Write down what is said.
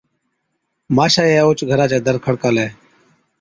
ماشائِيئَي اوهچ گھرا چَي دَر کڙڪالَي